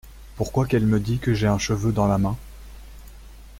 Pourquoi qu’elle me dit que j’ai un cheveu dans la main ?